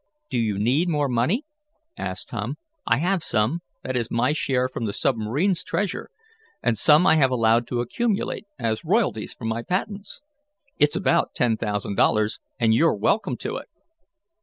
"Do you need more money?" asked Tom. "I have some, that is my share from the submarine treasure, and some I have allowed to accumulate as royalties from my patents. It's about ten thousand dollars, and you're welcome to it."